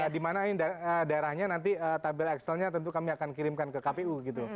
di mana daerahnya nanti tabel excelnya tentu kami akan kirimkan ke kpu gitu